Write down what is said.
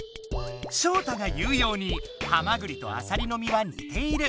ショウタが言うようにハマグリとアサリの身はにている。